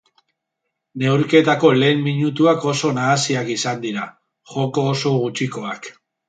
Neurketako lehen minutuak oso nahasiak izan dira, joko oso gutxikoak.